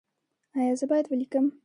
ایا زه باید ولیکم؟